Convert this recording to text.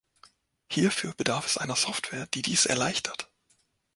Hierfür bedarf es einer Software, die dies erleichtert.